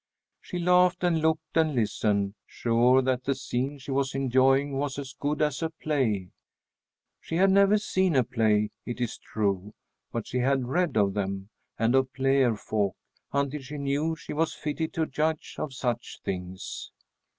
She laughed and looked and listened, sure that the scene she was enjoying was as good as a play. She had never seen a play, it is true; but she had read of them, and of player folk, until she knew she was fitted to judge of such things.